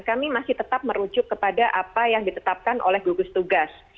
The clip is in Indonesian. kami masih tetap merujuk kepada apa yang ditetapkan oleh gugus tugas